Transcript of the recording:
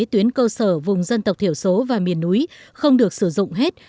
tuyến cơ sở vùng dân tộc thiểu số và miền núi không được sử dụng hết